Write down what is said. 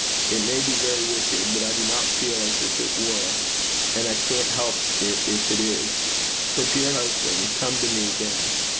It may be very wicked, but I do not feel as if it were, and I can't help it if it is. But, dear husband, come to me again.